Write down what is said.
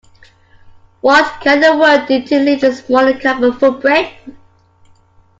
What can the world do to leave a smaller carbon footprint?